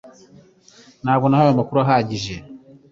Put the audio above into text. Ntabwo nahawe amakuru ahagije